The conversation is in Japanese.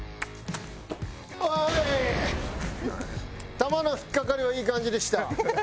球の引っかかりはいい感じでした。